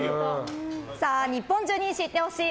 日本中に知って欲しい！